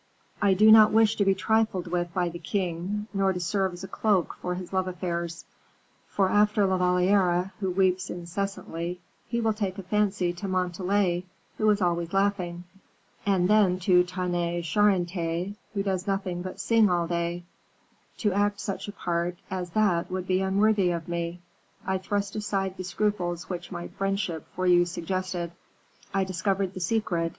I do not wish to be trifled with by the king, nor to serve as a cloak for his love affairs; for after La Valliere, who weeps incessantly, he will take a fancy to Montalais, who is always laughing; and then to Tonnay Charente, who does nothing but sing all day; to act such a part as that would be unworthy of me. I thrust aside the scruples which my friendship for you suggested. I discovered the secret.